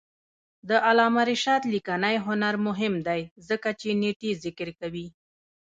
د علامه رشاد لیکنی هنر مهم دی ځکه چې نېټې ذکر کوي.